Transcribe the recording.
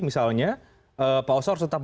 misalnya pak oso harus tetap